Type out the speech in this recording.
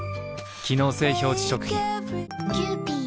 機能性表示食品